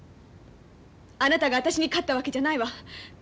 あなたが私に勝ったわけじゃないわ。